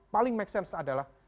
paling make sense adalah